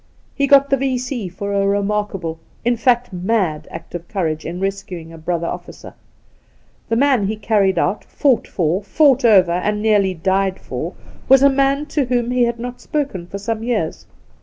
He got the V.C. for a remarkable — in fact, mad— act of courage in rescuing a brother officer. The man he carried out, fought for, fought oyer, and nearly died for, was a man to whom he had not spoken for some years.